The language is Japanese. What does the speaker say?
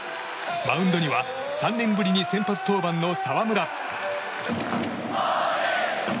マウンドには３年ぶりに先発登板の澤村。